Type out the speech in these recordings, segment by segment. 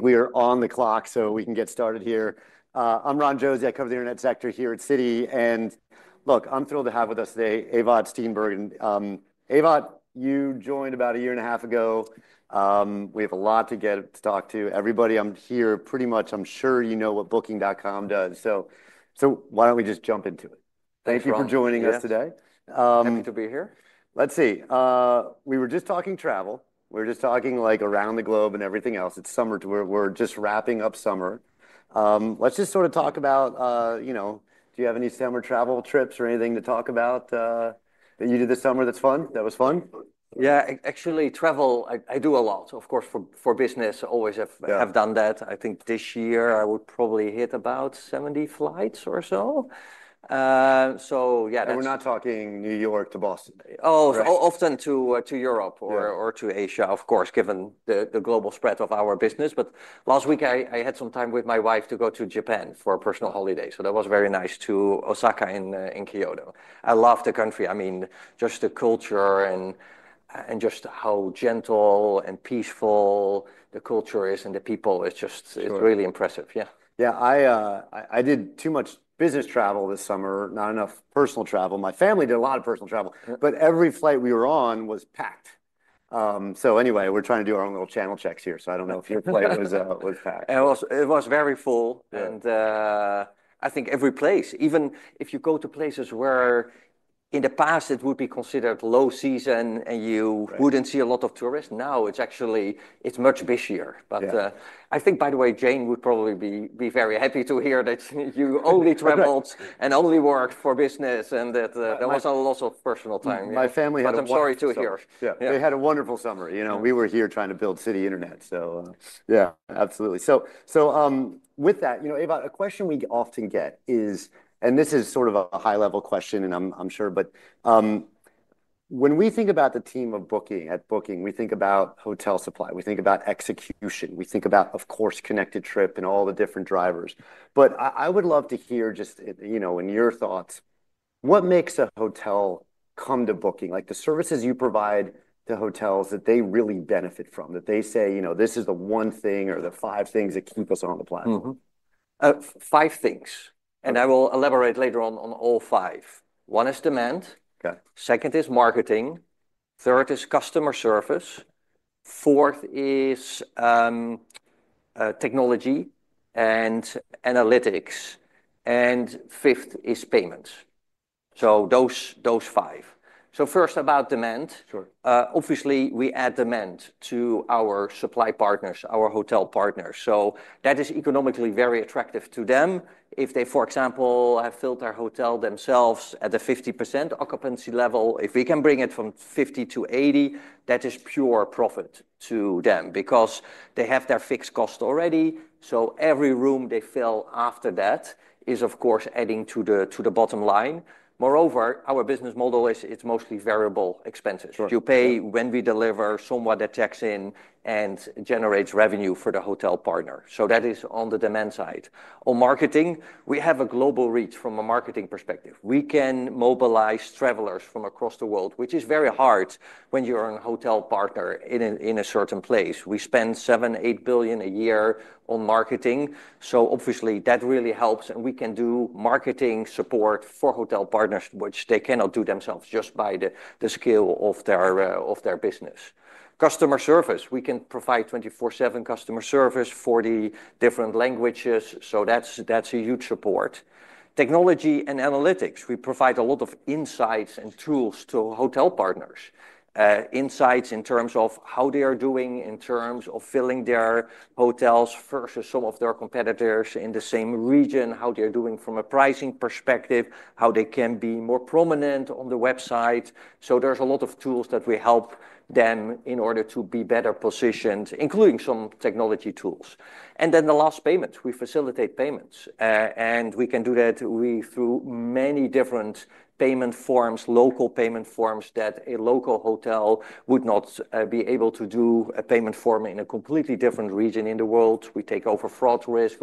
We are on the clock, so we can get started here. I'm Ron Josey. I cover the internet sector here at Citi, and look, I'm thrilled to have with us today Ewout Steenbergen. Ewout, you joined about a year and a half ago. We have a lot to get to talk to everybody. I'm here pretty much. I'm sure you know what Booking.com does. Why don't we just jump into it? Thank you for joining us today. Good to be here. Let's see. We were just talking travel. We were just talking like around the globe and everything else. It's summer. We're just wrapping up summer. Let's just sort of talk about, you know, do you have any summer travel trips or anything to talk about that you did this summer that's fun? That was fun. Yeah, actually travel, I do a lot. Of course, for business, I always have done that. I think this year I would probably hit about 70 flights or so, so yeah. We're not talking New York to Boston. Often to Europe or to Asia, of course, given the global spread of our business. Last week I had some time with my wife to go to Japan for a personal holiday. That was very nice to Osaka and in Kyoto. I love the country. I mean, just the culture and just how gentle and peaceful the culture is and the people. It's just really impressive. Yeah. I did too much business travel this summer, not enough personal travel. My family did a lot of personal travel, but every flight we were on was packed. Anyway, we're trying to do our own little channel checks here. I don't know if your flight was packed. It was very full. I think every place, even if you go to places where in the past it would be considered low season and you wouldn't see a lot of tourists, now it's actually much busier. I think, by the way, Jane would probably be very happy to hear that you only traveled and only worked for business and that there was a lot of personal time. My family had a wonderful summer. Yeah, they had a wonderful summer. You know, we were here trying to build Citi Internet. Absolutely. With that, Ewout, a question we often get is, and this is sort of a high-level question, I'm sure, when we think about the team of Booking at Booking, we think about hotel supply. We think about execution. We think about, of course, connected trip and all the different drivers. I would love to hear just, in your thoughts, what makes a hotel come to Booking, like the services you provide to hotels that they really benefit from, that they say, this is the one thing or the five things that keep us on the platform. Five things, and I will elaborate later on on all five. One is demand. Second is marketing. Third is customer service. Fourth is technology and analytics. And fifth is payments. Those five. First about demand. Obviously we add demand to our supply partners, our hotel partners. That is economically very attractive to them. If they, for example, have filled their hotel themselves at the 50% occupancy level, if we can bring it from 50% to 80%, that is pure profit to them because they have their fixed cost already. Every room they fill after that is, of course, adding to the bottom line. Moreover, our business model is it's mostly variable expenses. You pay when we deliver, someone that checks in and generates revenue for the hotel partner. That is on the demand side. On marketing, we have a global reach from a marketing perspective. We can mobilize travelers from across the world, which is very hard when you're a hotel partner in a certain place. We spend $7 billion, $8 billion a year on marketing. Obviously that really helps. We can do marketing support for hotel partners, which they cannot do themselves just by the scale of their business. Customer service, we can provide 24/7 multilingual customer service in 40 different languages. That's a huge support. Technology and analytics, we provide a lot of insights and tools to hotel partners. Insights in terms of how they are doing in terms of filling their hotels versus some of their competitors in the same region, how they're doing from a pricing perspective, how they can be more prominent on the website. There's a lot of tools that we help them in order to be better positioned, including some technology tools. The last, payments, we facilitate payments, and we can do that through many different payment forms, local payment forms that a local hotel would not be able to do, a payment form in a completely different region in the world. We take over fraud risk,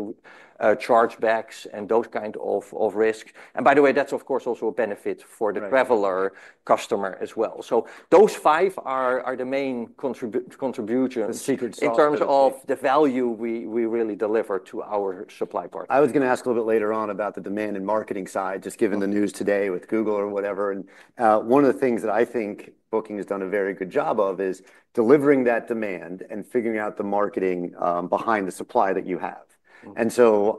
chargebacks, and those kinds of risks. By the way, that's of course also a benefit for the traveler customer as well. Those five are the main contributions in terms of the value we really deliver to our supply partners. I was going to ask a little bit later on about the demand and marketing side, just given the news today with Google and whatever. One of the things that I think Booking Holdings has done a very good job of is delivering that demand and figuring out the marketing behind the supply that you have.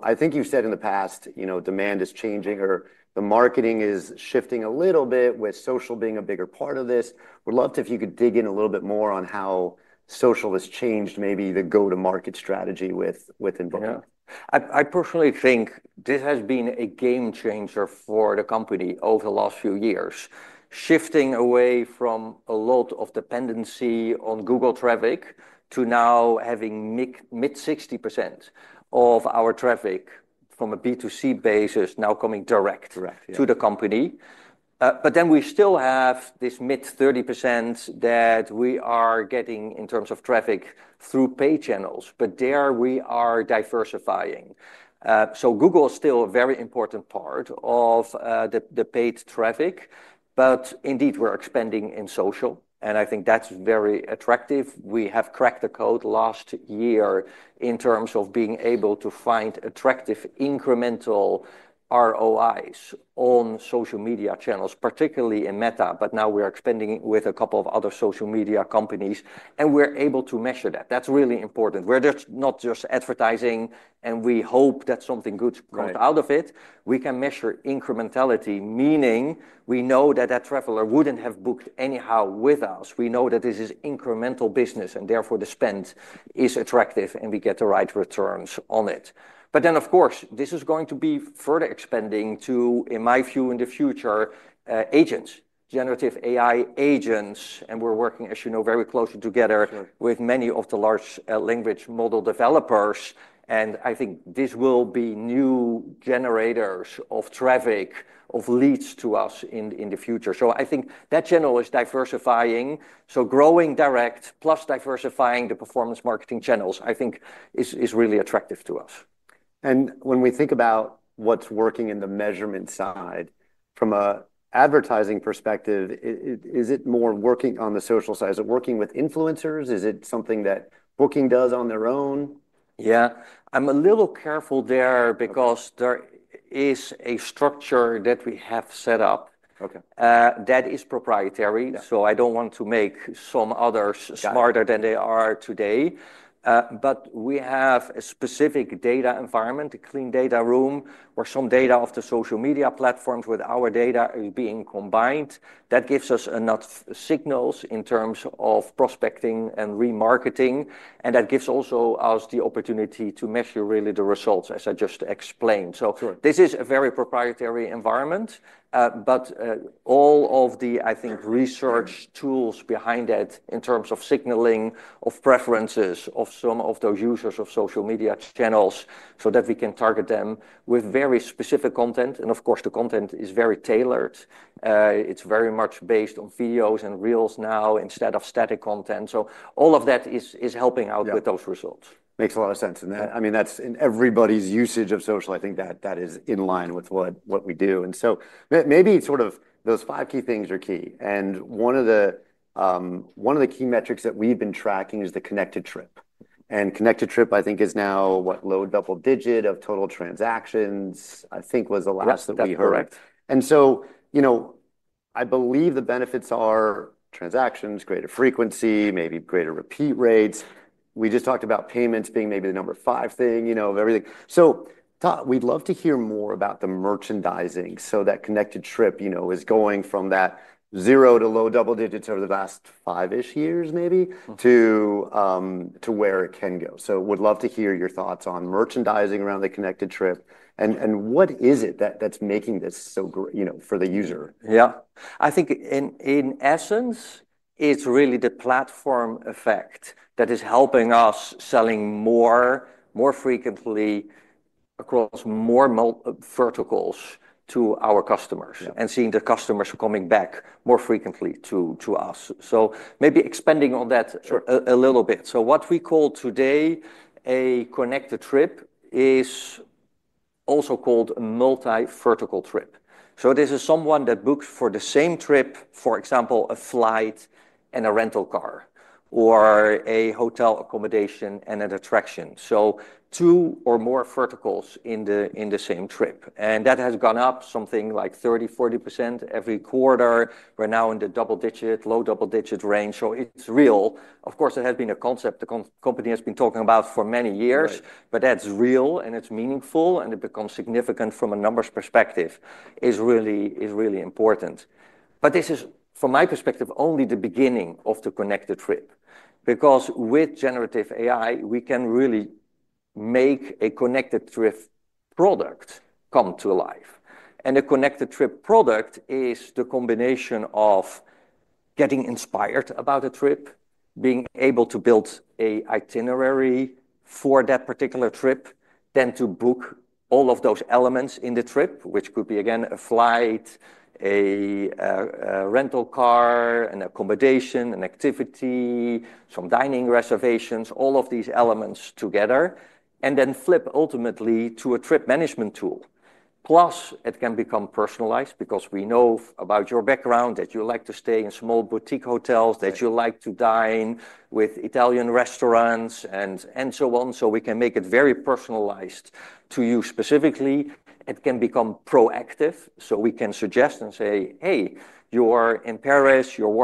I think you've said in the past, you know, demand is changing or the marketing is shifting a little bit with social being a bigger part of this. I would love to, if you could, dig in a little bit more on how social has changed maybe the go-to-market strategy within Booking Holdings. Yeah, I personally think this has been a game changer for the company over the last few years, shifting away from a lot of dependency on Google traffic to now having mid-60% of our traffic from a B2C basis now coming direct to the company. We still have this mid-30% that we are getting in terms of traffic through paid channels, but there we are diversifying. Google is still a very important part of the paid traffic, but indeed we're expanding in social, and I think that's very attractive. We have cracked the code last year in terms of being able to find attractive incremental ROIs on social media channels, particularly in Meta, but now we are expanding with a couple of other social media companies, and we're able to measure that. That's really important. Where there's not just advertising, and we hope that something good comes out of it, we can measure incrementality, meaning we know that that traveler wouldn't have booked anyhow with us. We know that this is incremental business, and therefore the spend is attractive, and we get the right returns on it. Of course, this is going to be further expanding to, in my view, in the future, agents, generative AI agents, and we're working, as you know, very closely together with many of the large language model developers. I think this will be new generators of traffic, of leads to us in the future. I think that channel is diversifying. Growing direct plus diversifying the performance marketing channels, I think is really attractive to us. When we think about what's working in the measurement side from an advertising perspective, is it more working on the social side? Is it working with influencers? Is it something that Booking does on their own? Yeah, I'm a little careful there because there is a structure that we have set up, okay, that is proprietary. I don't want to make some others smarter than they are today, but we have a specific data environment, a clean data room, where some data of the social media platforms with our data are being combined. That gives us enough signals in terms of prospecting and remarketing. That also gives us the opportunity to measure really the results, as I just explained. This is a very proprietary environment, but all of the, I think, research tools behind that in terms of signaling of preferences of some of those users of social media channels so that we can target them with very specific content. Of course, the content is very tailored. It's very much based on videos and reels now instead of static content. All of that is helping out with those results. Makes a lot of sense. I mean, that's in everybody's usage of social. I think that is in line with what we do. Maybe sort of those five key things are key. One of the key metrics that we've been tracking is the connected trip. Connected trip, I think, is now what, low double digit of total transactions, I think was the last that we heard. I believe the benefits are transactions, greater frequency, maybe greater repeat rates. We just talked about payments being maybe the number five thing of everything. We'd love to hear more about the merchandising so that connected trip is going from that zero to low double digits over the past five-ish years, maybe, to where it can go. We'd love to hear your thoughts on merchandising around the connected trip and what is it that's making this so, you know, for the user? Yeah, I think in essence, it's really the platform effect that is helping us selling more, more frequently across more verticals to our customers and seeing that customers are coming back more frequently to us. Maybe expanding on that a little bit. What we call today a connected trip is also called a multi-vertical trip. This is someone that books for the same trip, for example, a flight and a rental car or a hotel accommodation and an attraction. Two or more verticals in the same trip. That has gone up something like 30% - 40% every quarter. We're now in the low double-digit range. It's real. It had been a concept the company has been talking about for many years, but that's real and it's meaningful and it becomes significant from a numbers perspective, is really important. This is, from my perspective, only the beginning of the connected trip because with generative AI, we can really make a connected trip product come to life. A connected trip product is the combination of getting inspired about a trip, being able to build an itinerary for that particular trip, then to book all of those elements in the trip, which could be again a flight, a rental car, an accommodation, an activity, some dining reservations, all of these elements together, and then flip ultimately to a trip management tool. Plus, it can become personalized because we know about your background, that you like to stay in small boutique hotels, that you like to dine with Italian restaurants, and so on. We can make it very personalized to you specifically. It can become proactive. We can suggest and say, "Hey, you're in Paris, you're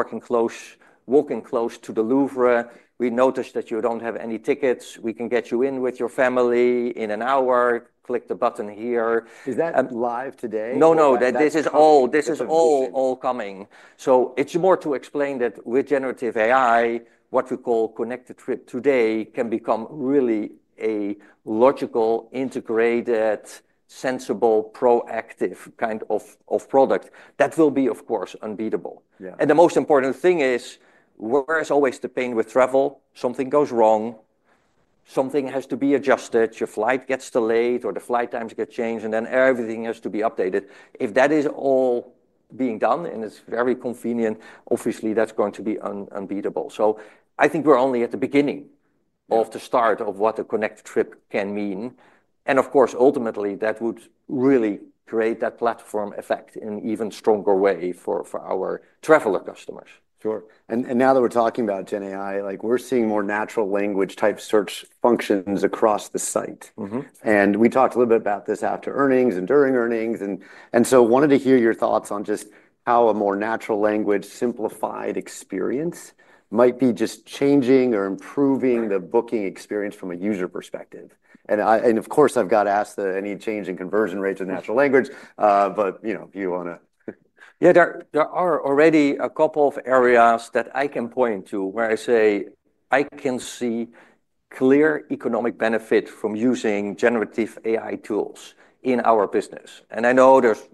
walking close to the Louvre. We noticed that you don't have any tickets. We can get you in with your family in an hour. Click the button here. Is that live today? No, this is all coming. It's more to explain that with generative AI, what we call connected trip today can become really a logical, integrated, sensible, proactive kind of product. That will be, of course, unbeatable. The most important thing is, whereas always the pain with travel, something goes wrong, something has to be adjusted, your flight gets delayed or the flight times get changed, and then everything has to be updated. If that is all being done and it's very convenient, obviously that's going to be unbeatable. I think we're only at the beginning of the start of what a connected trip can mean. Of course, ultimately that would really create that platform effect in an even stronger way for our traveler customers. Sure. Now that we're talking about generative AI, we're seeing more natural language type search functions across the site. We talked a little bit about this after earnings and during earnings. I wanted to hear your thoughts on just how a more natural language simplified experience might be changing or improving the booking experience from a user perspective. Of course, I've got to ask any change in conversion rates in natural language, but you know, if you want to. Yeah, there are already a couple of areas that I can point to where I say I can see clear economic benefit from using generative AI tools in our business. I know there's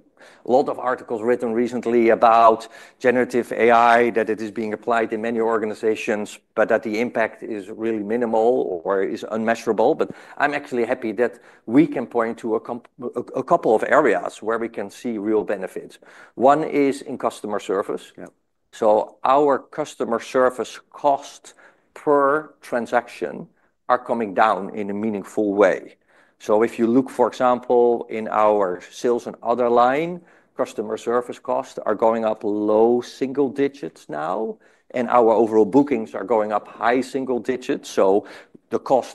a lot of articles written recently about generative AI that it is being applied in many organizations, but that the impact is really minimal or is unmeasurable. I'm actually happy that we can point to a couple of areas where we can see real benefits. One is in customer service. Our customer service costs per transaction are coming down in a meaningful way. If you look, for example, in our sales and other line, customer service costs are going up low single digits now, and our overall bookings are going up high single digits. The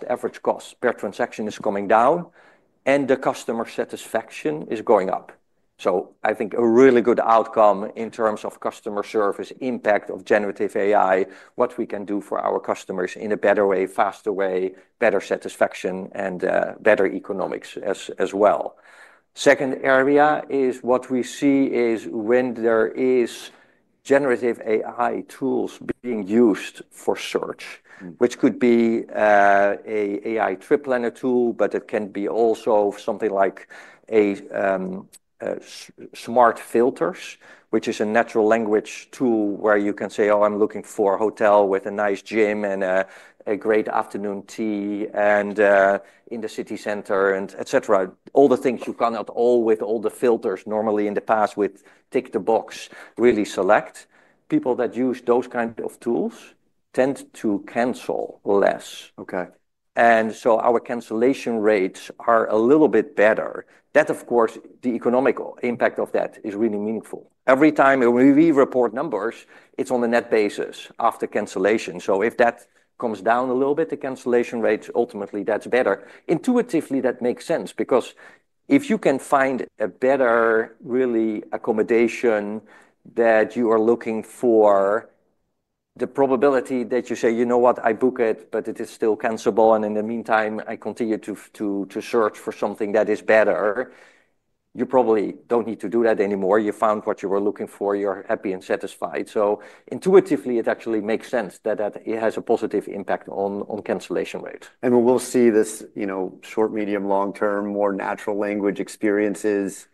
average cost per transaction is coming down, and the customer satisfaction is going up. I think a really good outcome in terms of customer service impact of generative AI, what we can do for our customers in a better way, faster way, better satisfaction, and better economics as well. The second area is what we see is when there is generative AI tools being used for search, which could be an AI trip planner tool, but it can be also something like smart filters, which is a natural language tool where you can say, "Oh, I'm looking for a hotel with a nice gym and a great afternoon tea and in the city center," and et cetera. All the things you cannot all with all the filters normally in the past with tick the box, really select. People that use those kinds of tools tend to cancel less. Our cancellation rates are a little bit better. That, of course, the economic impact of that is really meaningful. Every time we report numbers, it's on the net basis after cancellation. If that comes down a little bit, the cancellation rates, ultimately that's better. Intuitively, that makes sense because if you can find a better, really, accommodation that you are looking for, the probability that you say, "You know what, I book it, but it is still cancelable, and in the meantime, I continue to search for something that is better," you probably don't need to do that anymore. You found what you were looking for. You're happy and satisfied. Intuitively, it actually makes sense that it has a positive impact on cancellation rates. We will see this short, medium, long-term, more natural language experiences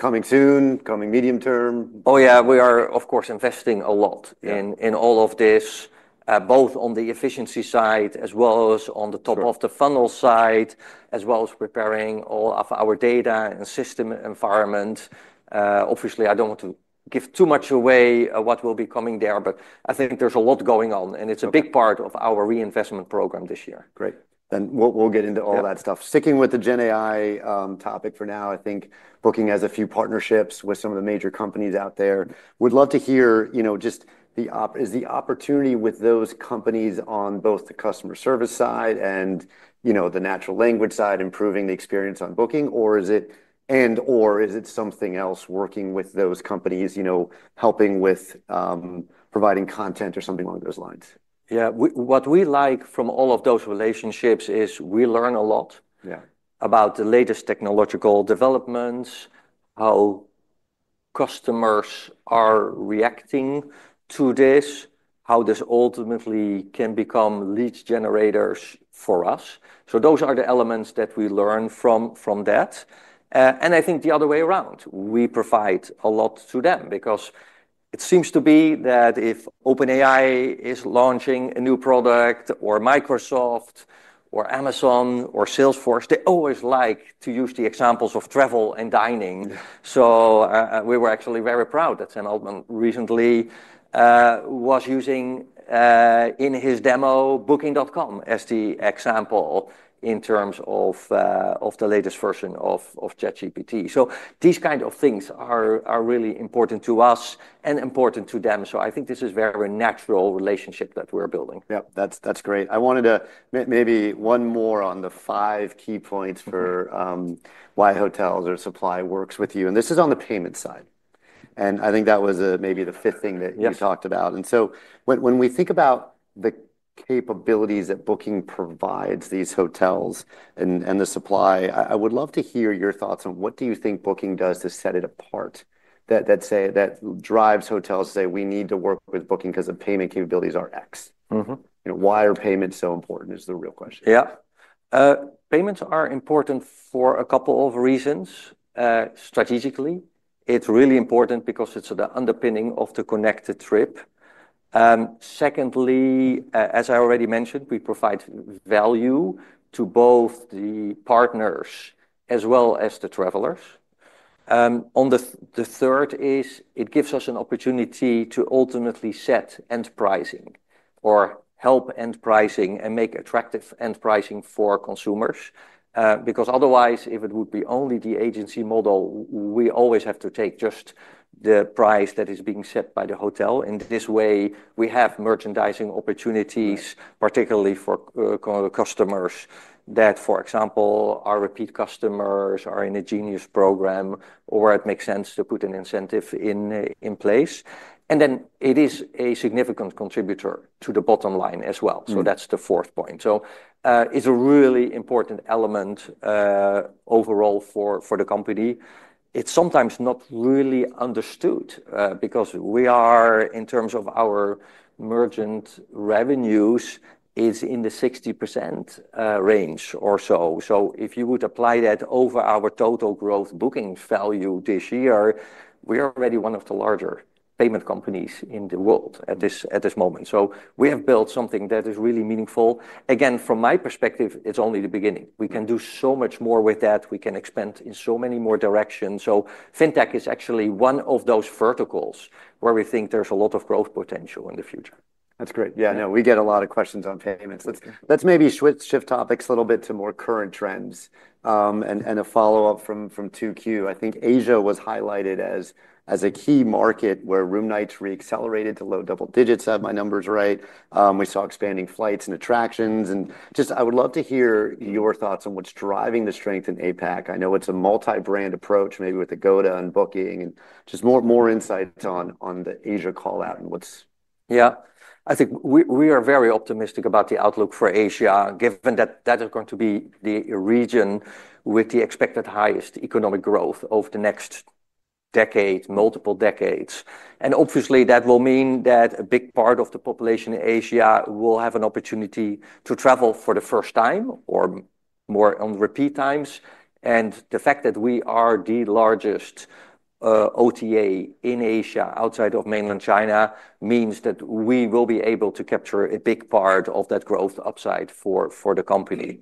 coming soon, coming medium term. Oh yeah, we are, of course, investing a lot in all of this, both on the efficiency side as well as on the top of the funnel side, as well as preparing all of our data and system environment. Obviously, I don't want to give too much away of what will be coming there, but I think there's a lot going on, and it's a big part of our reinvestment program this year. Great. We'll get into all that stuff. Sticking with the generative AI topic for now, I think Booking has a few partnerships with some of the major companies out there. We'd love to hear just the opportunity with those companies on both the customer service side and the natural language side, improving the experience on Booking.com, or is it, and or is it something else working with those companies, helping with providing content or something along those lines? What we like from all of those relationships is we learn a lot about the latest technological developments, how customers are reacting to this, how this ultimately can become lead generators for us. Those are the elements that we learn from that. I think the other way around, we provide a lot to them because it seems to be that if OpenAI is launching a new product or Microsoft or Amazon or Salesforce, they always like to use the examples of travel and dining. We were actually very proud that Sam Altman recently was using, in his demo, Booking.com as the example in terms of the latest version of ChatGPT. These kinds of things are really important to us and important to them. I think this is a very natural relationship that we're building. Yeah, that's great. I wanted to maybe one more on the five key points for why hotels or supply works with you. This is on the payment side. I think that was maybe the fifth thing that you talked about. When we think about the capabilities that Booking provides these hotels and the supply, I would love to hear your thoughts on what do you think Booking does to set it apart that drives hotels to say, "We need to work with Booking because the payment capabilities are X." You know, why are payments so important is the real question. Yeah, payments are important for a couple of reasons. Strategically, it's really important because it's the underpinning of the connected trip. Secondly, as I already mentioned, we provide value to both the partners as well as the travelers. On the third is it gives us an opportunity to ultimately set enterprising or help enterprising and make attractive enterprising for consumers. Because otherwise, if it would be only the agency model, we always have to take just the price that is being set by the hotel. In this way, we have merchandising opportunities, particularly for customers that, for example, are repeat customers or in a Genius program or it makes sense to put an incentive in place. It is a significant contributor to the bottom line as well. That's the fourth point. It's a really important element overall for the company. It's sometimes not really understood, because we are, in terms of our merchant revenues, it's in the 60% range or so. If you would apply that over our total gross bookings value this year, we are already one of the larger payment companies in the world at this moment. We have built something that is really meaningful. Again, from my perspective, it's only the beginning. We can do so much more with that. We can expand in so many more directions. Fintech is actually one of those verticals where we think there's a lot of growth potential in the future. That's great. Yeah, no, we get a lot of questions on payments. Let's maybe shift topics a little bit to more current trends, and a follow-up from 2Q. I think Asia was highlighted as a key market where room nights re-accelerated to low double digits, if I have my numbers right. We saw expanding flights and attractions. I would love to hear your thoughts on what's driving the strength in Asia. I know it's a multi-brand approach, maybe with Agoda and Booking.com, and just more insights on the Asia callout and what's. Yeah, I think we are very optimistic about the outlook for Asia, given that that is going to be the region with the expected highest economic growth over the next decade, multiple decades. Obviously, that will mean that a big part of the population in Asia will have an opportunity to travel for the first time or more on repeat times. The fact that we are the largest OTA in Asia outside of mainland China means that we will be able to capture a big part of that growth upside for the company.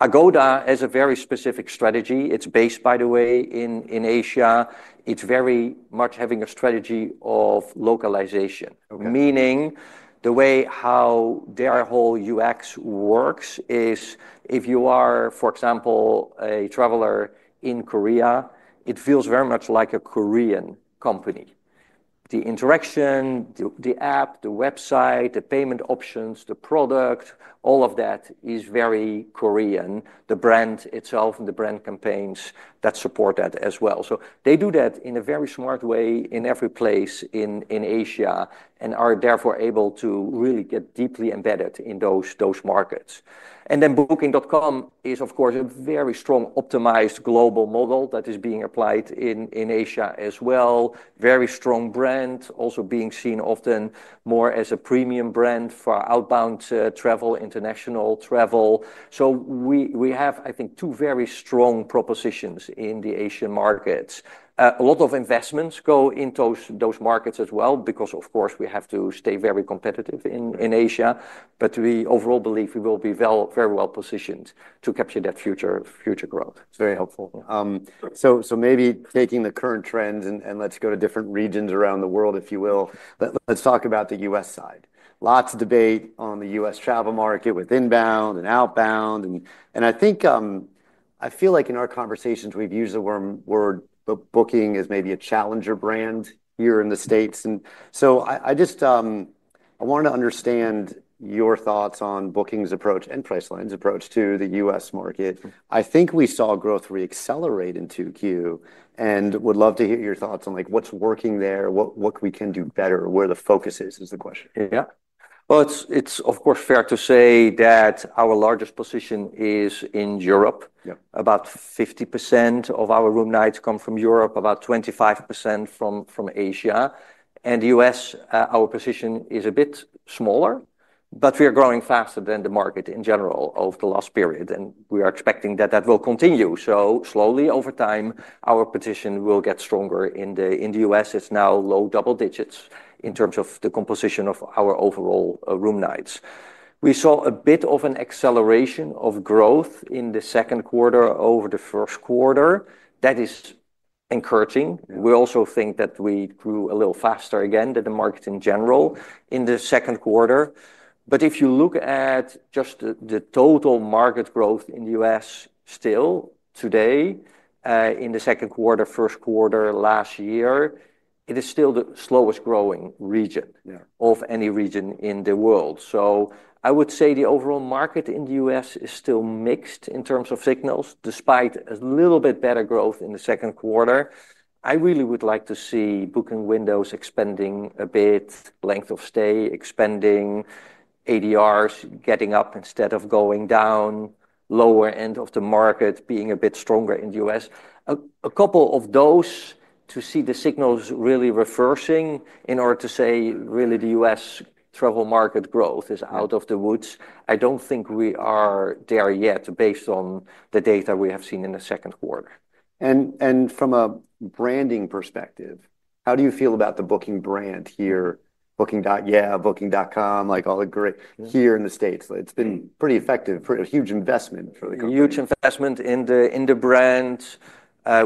Agoda has a very specific strategy. It's based, by the way, in Asia. It's very much having a strategy of localization, meaning the way how their whole UX works is if you are, for example, a traveler in Korea, it feels very much like a Korean company. The interaction, the app, the website, the payment options, the product, all of that is very Korean. The brand itself and the brand campaigns that support that as well. They do that in a very smart way in every place in Asia and are therefore able to really get deeply embedded in those markets. Booking.com is, of course, a very strong optimized global model that is being applied in Asia as well. Very strong brand, also being seen often more as a premium brand for outbound travel, international travel. We have, I think, two very strong propositions in the Asian markets. A lot of investments go into those markets as well because, of course, we have to stay very competitive in Asia. We overall believe we will be very well positioned to capture that future growth. It's very helpful. Maybe taking the current trends, let's go to different regions around the world, if you will. Let's talk about the U.S. side. Lots of debate on the U.S. travel market with inbound and outbound. I think, I feel like in our conversations, we've used the word Booking as maybe a challenger brand here in the States. I just want to understand your thoughts on Booking's approach and Priceline's approach to the U.S. market. I think we saw growth reaccelerate in 2Q and would love to hear your thoughts on what's working there, what we can do better, where the focus is, is the question. Yeah, it's, of course, fair to say that our largest position is in Europe. About 50% of our room nights come from Europe, about 25% from Asia. In the U.S., our position is a bit smaller, but we are growing faster than the market in general over the last period. We are expecting that will continue. Slowly over time, our position will get stronger. In the U.S., it's now low double digits in terms of the composition of our overall room nights. We saw a bit of an acceleration of growth in the second quarter over the first quarter. That is encouraging. We also think that we grew a little faster again than the market in general in the second quarter. If you look at just the total market growth in the U.S. still today, in the second quarter, first quarter last year, it is still the slowest growing region of any region in the world. I would say the overall market in the U.S. is still mixed in terms of signals, despite a little bit better growth in the second quarter. I really would like to see booking windows expanding a bit, length of stay expanding, ADRs getting up instead of going down, lower end of the market being a bit stronger in the U.S. A couple of those to see the signals really reversing in order to say really the U.S. travel market growth is out of the woods. I don't think we are there yet based on the data we have seen in the second quarter. From a branding perspective, how do you feel about the Booking.com brand here? Booking.com, like all the greats here in the U.S. It's been pretty effective, pretty huge investment for the company. Huge investment in the brand.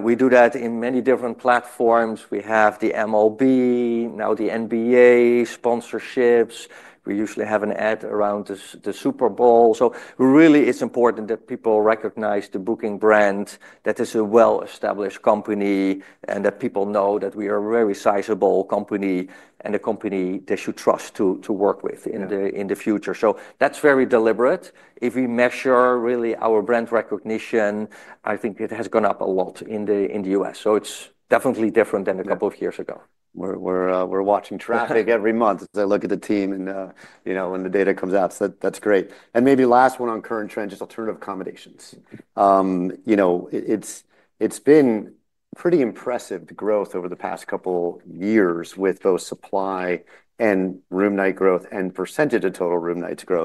We do that in many different platforms. We have the MLB, now the NBA sponsorships. We usually have an ad around the Super Bowl. It is important that people recognize the Booking.com brand, that it's a well-established company, and that people know that we are a very sizable company and a company they should trust to work with in the future. That is very deliberate. If we measure really our brand recognition, I think it has gone up a lot in the U.S. It is definitely different than a couple of years ago. We're watching traffic every month as I look at the team and, you know, when the data comes out. That's great. Maybe last one on current trends is alternative accommodations. You know, it's been pretty impressive, the growth over the past couple of years with both supply and room night growth and percentage of total room nights growth.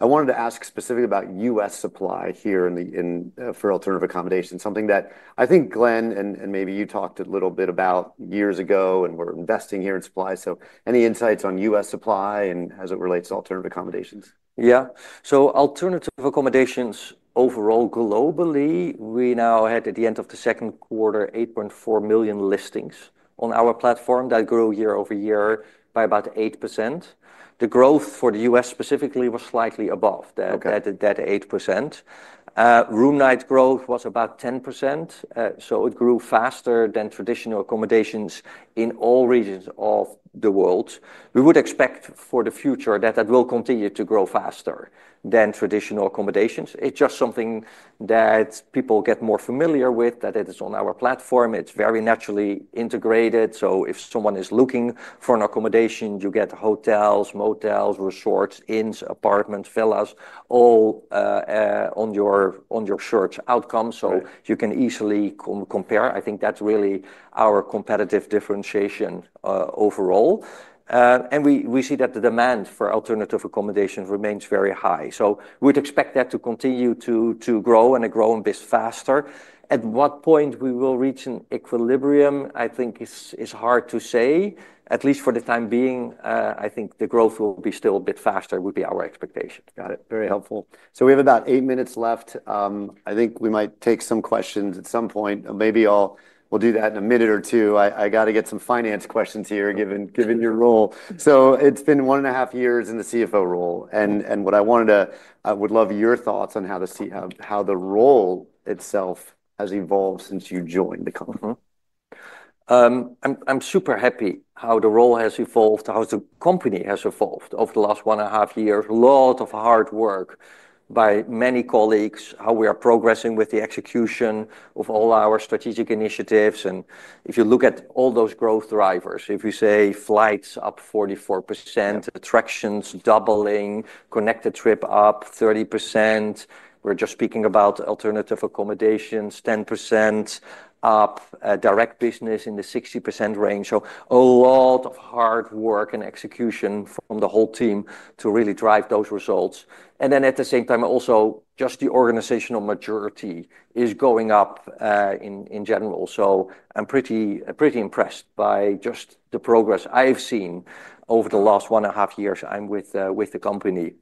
I wanted to ask specifically about U.S. supply here for alternative accommodations, something that I think Glenn and maybe you talked a little bit about years ago and were investing here in supply. Any insights on U.S. supply and as it relates to alternative accommodations? Yeah, so alternative accommodations overall globally, we now had at the end of the second quarter 8.4 million listings on our platform. That grew year- over- year by about 8%. The growth for the U.S. specifically was slightly above that 8%. Room night growth was about 10%. It grew faster than traditional accommodations in all regions of the world. We would expect for the future that that will continue to grow faster than traditional accommodations. It's just something that people get more familiar with, that it is on our platform. It's very naturally integrated. If someone is looking for an accommodation, you get hotels, motels, resorts, inns, apartments, villas, all on your search outcome. You can easily compare. I think that's really our competitive differentiation overall. We see that the demand for alternative accommodations remains very high. We would expect that to continue to grow and grow a bit faster. At what point we will reach an equilibrium, I think is hard to say. At least for the time being, I think the growth will be still a bit faster, would be our expectation. Got it. Very helpful. We have about eight minutes left. I think we might take some questions at some point. Maybe we'll do that in a minute or two. I got to get some finance questions here, given your role. It's been one and a half years in the CFO role. I would love your thoughts on how the role itself has evolved since you joined the company. I'm super happy how the role has evolved, how the company has evolved over the last one and a half years. A lot of hard work by many colleagues, how we are progressing with the execution of all our strategic initiatives. If you look at all those growth drivers, if you say flights up 44%, attractions doubling, connected trip up 30%, we're just speaking about alternative accommodations 10% up, direct business in the 60% range. A lot of hard work and execution from the whole team to really drive those results. At the same time, also just the organizational maturity is going up, in general. I'm pretty, pretty impressed by just the progress I've seen over the last one and a half years I'm with the company.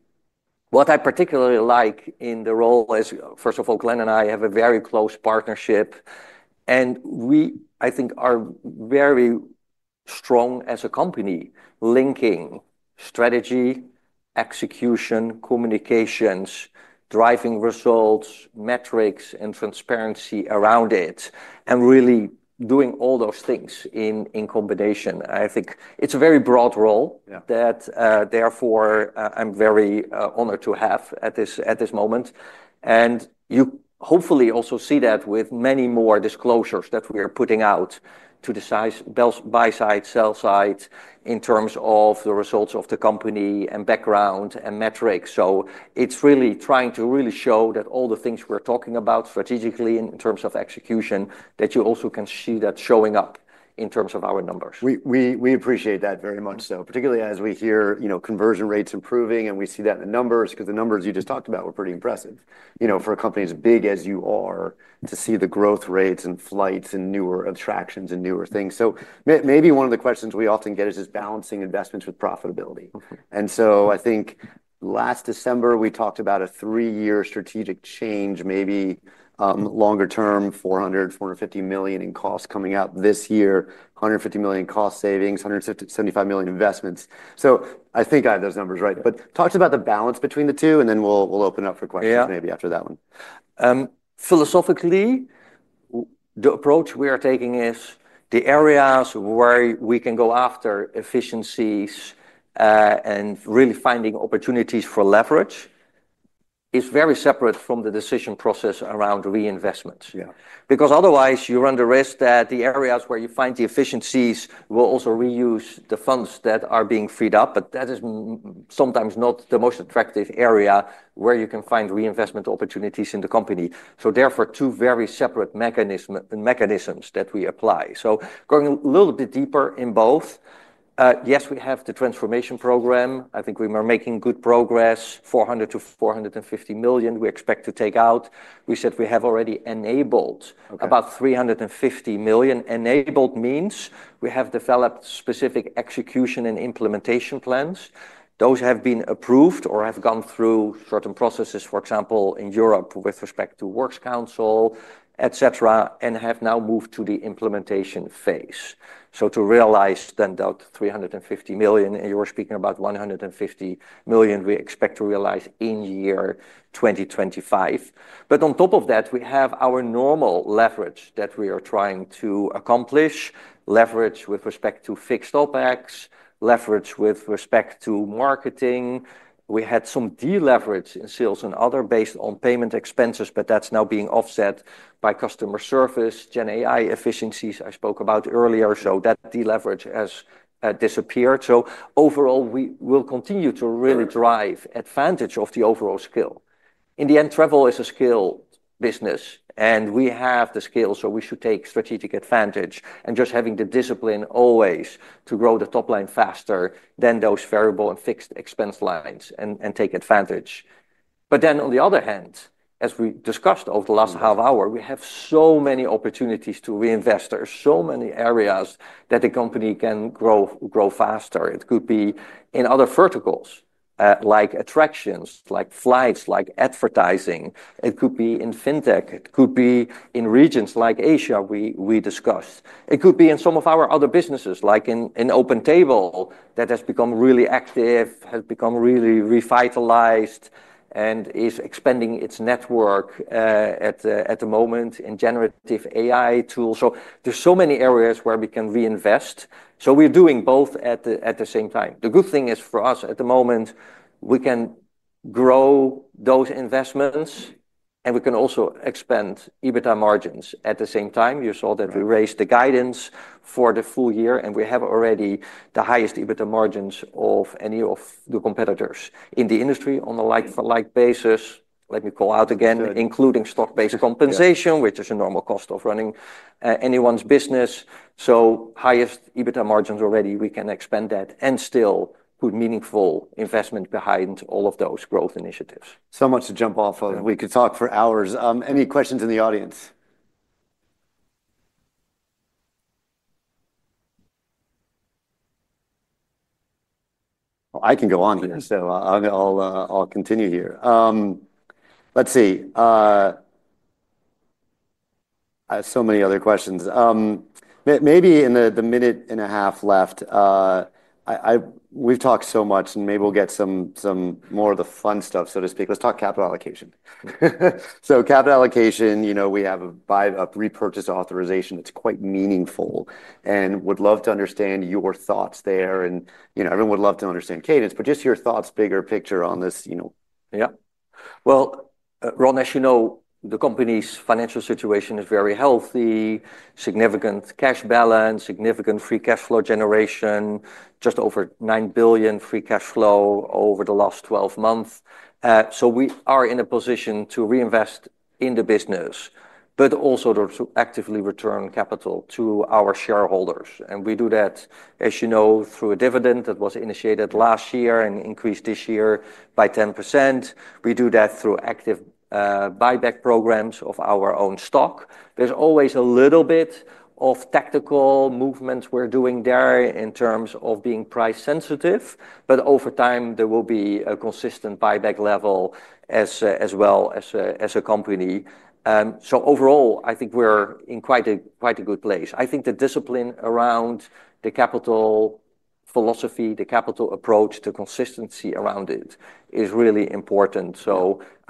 What I particularly like in the role is, first of all, Glenn and I have a very close partnership. We, I think, are very strong as a company linking strategy, execution, communications, driving results, metrics, and transparency around it, and really doing all those things in combination. I think it's a very broad role that, therefore, I'm very honored to have at this moment. You hopefully also see that with many more disclosures that we are putting out to the buy side, sell side in terms of the results of the company and background and metrics. It's really trying to really show that all the things we're talking about strategically in terms of execution, that you also can see that showing up in terms of our numbers. We appreciate that very much, particularly as we hear conversion rates improving and we see that in the numbers, because the numbers you just talked about were pretty impressive. For a company as big as you are, to see the growth rates in flights and newer attractions and newer things is notable. One of the questions we often get is just balancing investments with profitability. I think last December we talked about a three-year strategic change, maybe longer term, $400 million - $450 million in costs coming out this year, $150 million in cost savings, $175 million in investments. I think I have those numbers right. Talk to us about the balance between the two, and then we'll open up for questions after that one. Philosophically, the approach we are taking is the areas where we can go after efficiencies, and really finding opportunities for leverage is very separate from the decision process around reinvestments. Otherwise, you run the risk that the areas where you find the efficiencies will also reuse the funds that are being freed up. That is sometimes not the most attractive area where you can find reinvestment opportunities in the company. Therefore, two very separate mechanisms that we apply. Going a little bit deeper in both, yes, we have the transformation program. I think we are making good progress. $400 million- $450 million we expect to take out. We said we have already enabled about $350 million. Enabled means we have developed specific execution and implementation plans. Those have been approved or have gone through certain processes, for example, in Europe with respect to Works Council, etc., and have now moved to the implementation phase. To realize then that $350 million, and you were speaking about $150 million we expect to realize in year 2025. On top of that, we have our normal leverage that we are trying to accomplish, leverage with respect to fixed OpEx, leverage with respect to marketing. We had some deleverage in sales and other based on payment expenses, but that's now being offset by customer service, GenAI efficiencies I spoke about earlier. That deleverage has disappeared. Overall, we will continue to really drive advantage of the overall scale. In the end, travel is a scale business, and we have the scale, so we should take strategic advantage and just have the discipline always to grow the top line faster than those variable and fixed expense lines and take advantage. On the other hand, as we discussed over the last half hour, we have so many opportunities to reinvest. There are so many areas that a company can grow faster. It could be in other verticals, like attractions, like flights, like advertising. It could be in fintech. It could be in regions like Asia we discussed. It could be in some of our other businesses, like in OpenTable that has become really active, has become really revitalized, and is expanding its network, at the moment in generative AI tools. There are so many areas where we can reinvest. We are doing both at the same time. The good thing is for us at the moment, we can grow those investments, and we can also expand EBITDA margins at the same time. You saw that we raised the guidance for the full year, and we have already the highest EBITDA margins of any of the competitors in the industry on a like-for-like basis. Let me call out again, including stock-based compensation, which is a normal cost of running anyone's business. Highest EBITDA margins already, we can expand that and still put meaningful investment behind all of those growth initiatives. So much to jump off of. We could talk for hours. Any questions in the audience? I can go on here, so I'll continue here. Let's see. I have so many other questions. Maybe in the minute and a half left, we've talked so much, and maybe we'll get some more of the fun stuff, so to speak. Let's talk capital allocation. Capital allocation, you know, we have a buy-up repurchase authorization. It's quite meaningful and would love to understand your thoughts there. Everyone would love to understand cadence, but just your thoughts, bigger picture on this, you know. Yeah. Ron, you know, the company's financial situation is very healthy, significant cash balance, significant free cash flow generation, just over $9 billion free cash flow over the last 12 months. We are in a position to reinvest in the business, but also to actively return capital to our shareholders. We do that, as you know, through a dividend that was initiated last year and increased this year by 10%. We do that through active buyback programs of our own stock. There's always a little bit of tactical movements we're doing there in terms of being price sensitive, but over time, there will be a consistent buyback level as well as a company. Overall, I think we're in quite a good place. I think the discipline around the capital philosophy, the capital approach, the consistency around it is really important.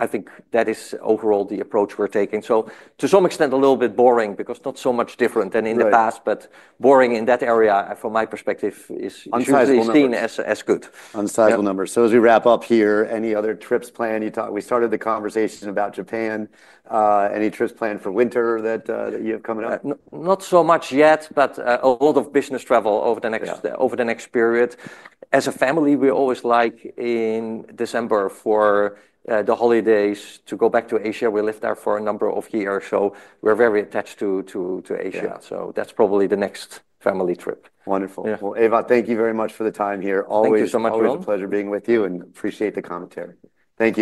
I think that is overall the approach we're taking. To some extent, a little bit boring because not so much different than in the past, but boring in that area from my perspective is usually seen as good. Unsizable numbers. As we wrap up here, any other trips planned? We started the conversation about Japan. Any trips planned for winter that you have coming up? Not so much yet, but a lot of business travel over the next period. As a family, we always like in December for the holidays to go back to Asia. We lived there for a number of years, so we're very attached to Asia. That's probably the next family trip. Wonderful. Ewout, thank you very much for the time here. Always a pleasure being with you and appreciate the commentary. Thank you.